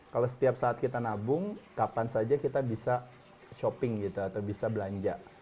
kalau setiap saat kita nabung kapan saja kita bisa shopping gitu atau bisa belanja